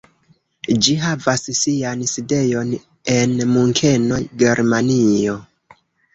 Ĝi havas sian sidejon en Munkeno, Germanio.